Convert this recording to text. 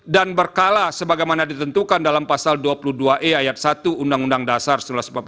dan berkala sebagaimana ditentukan dalam pasal dua puluh dua e ayat satu undang undang dasar seribu sembilan ratus empat puluh lima